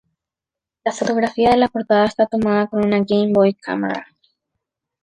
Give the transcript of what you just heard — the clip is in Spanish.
La fotografía de la portada está tomada con una Game Boy Camera.